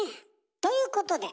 ということで！